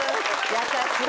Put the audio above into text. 優しいね。